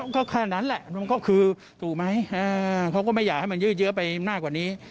ก็แค่นั้นแหละมันก็คือถูกไหมเขาก็ไม่อยากให้มันยืดเยอะไปมากกว่านี้